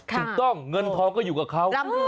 ถูกต้องเงินทองก็อยู่กับเขา